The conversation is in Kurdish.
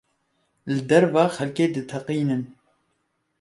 Li derve xelkê diteqînin.